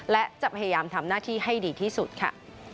และจะพยายามทำหน้าที่ให้ดีที่สุดค่ะ